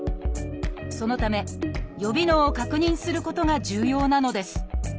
そのため予備能を確認することが重要なのです。